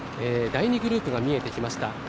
第２グループが見えてきました。